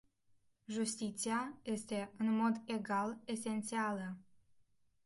Justiția este în mod egal esențială.